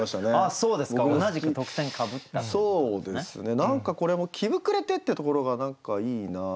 そうですね何かこれも「着ぶくれて」ってところが何かいいな。